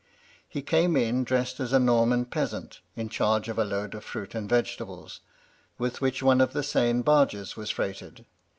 He came in dressed as a Norman peasant, in charge of a load of fruit and vegetables, with which one of the Seine barges was freighted.